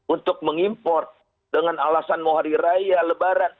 untuk mengimpor dengan alasan mau hari raya lebaran